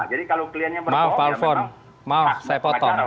jadi kalau kliennya berbohong ya memang pengacara untuk tidak perlu mendampingi